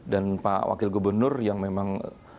pak wakil gubernur yang memang